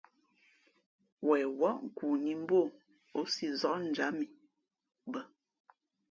Wen wάʼ nkoo nǐ mbú o, ǒ si zák njǎm i bᾱ.